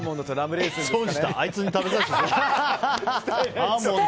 損した、あいつに食べさせて。